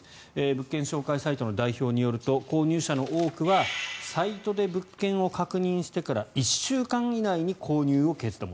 物件紹介サイトの代表によると購入者の多くはサイトで物件を確認してから１週間以内に購入を決断。